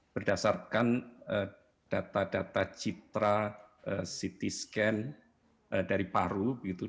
berdasarkan data data citra ct scan dari paru